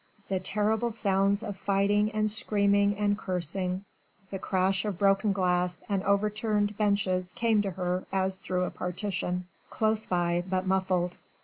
The terrible sounds of fighting and screaming and cursing, the crash of broken glass and overturned benches came to her as through a partition close by but muffled.